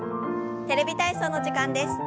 「テレビ体操」の時間です。